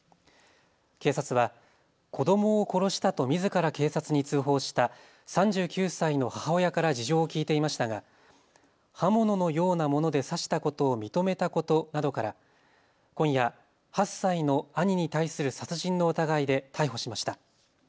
警察は子どもを殺したとみずから警察に通報した３９歳の母親から事情を聞いていましたが刃物のようなもので刺したことを認めたことなどから、今夜、８歳の兄に対する殺人の疑いで逮捕しました。